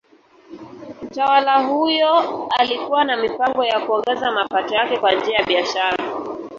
Mtawala huyo alikuwa na mipango ya kuongeza mapato yake kwa njia ya biashara.